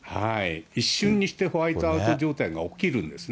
一瞬にしてホワイトアウト状態が起きるんですね。